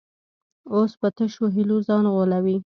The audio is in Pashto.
اوس په تشو هیلو ځان غولوي.